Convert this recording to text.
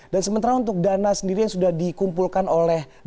dan sementara untuk dana sendiri yang sudah dikumpulkan oleh dana